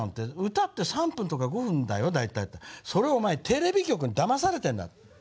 歌って３分とか５分だよ大体」と言ったら「それはおまえテレビ局にだまされてるんだ」。